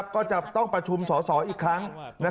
ก็จะต้องประชุมสอสออีกครั้ง